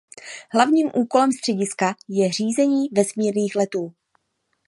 Hlavním úkolem střediska je řízení vesmírných letů.